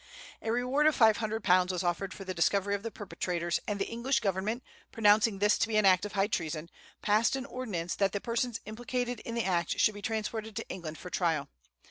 A reward of £500 was offered for the discovery of the perpetrators; and the English government, pronouncing this to be an act of high treason, passed an ordinance that the persons implicated in the act should be transported to England for trial.